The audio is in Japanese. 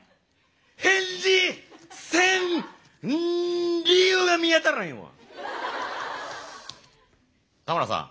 返事せん理由が見当たらへんわたむらさん